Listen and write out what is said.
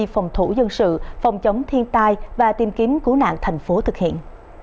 phòng thủ dân sự phòng chống thiên tai và tìm kiếm cứu nạn thành phố thực hiện